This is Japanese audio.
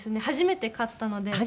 初めて勝ったので。